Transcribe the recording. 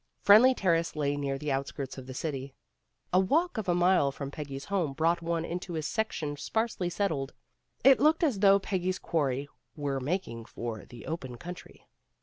Friendly Terrace lay near the outskirts of the city. A walk of a mile from Peggy's home brought one into a section sparsely settled. It looked as though Peggy's quarry were making for the open country.